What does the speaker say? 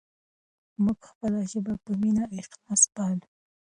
موږ خپله ژبه په مینه او اخلاص پالو.